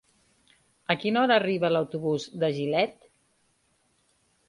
A quina hora arriba l'autobús de Gilet?